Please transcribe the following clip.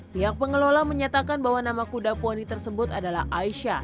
pihak pengelola menyatakan bahwa nama kuda poani tersebut adalah aisyah